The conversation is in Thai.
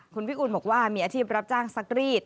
คุณวิอุลบอกว่ามีอาชีพรับจ้างซักรีด